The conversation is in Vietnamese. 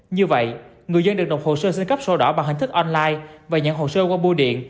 như vậy người dân được đọc hồ sơ xin cắp sổ đỏ bằng hình thức online và nhận hồ sơ qua mua điện